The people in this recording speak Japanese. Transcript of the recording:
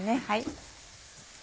はい。